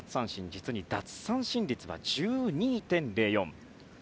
実に、奪三振は１２．０４。